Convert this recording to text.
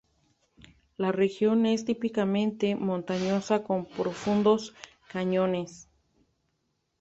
La región es típicamente montañosa con profundos cañones.